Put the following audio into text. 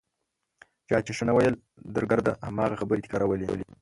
چا چې ښه نه ویل درګرده هماغه خبرې تکرارولې.